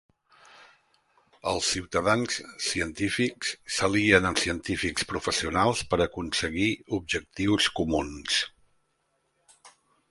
Els ciutadans científics s'alien amb científics professionals per aconseguir objectius comuns.